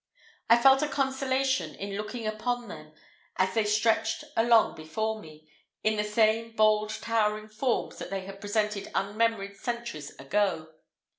I felt a consolation in looking upon them as they stretched along before me, in the same bold towering forms that they had presented unmemoried centuries ago.